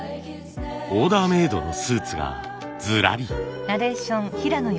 オーダーメードのスーツがずらり。